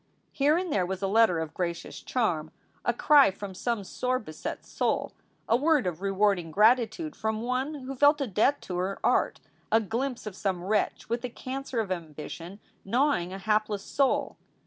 Here and there was a letter of gracious charm, a cry from some sore beset soul, a word of rewarding gratitude from one who felt a debt to her art, a glimpse of some wretch with a cancer of ambition gnawing a hapless soul.